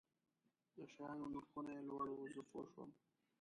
د شیانو نرخونه یې لوړ وو، زه پوه شوم.